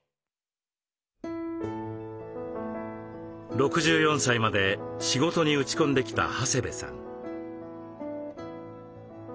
６４歳まで仕事に打ち込んできた長谷部さん。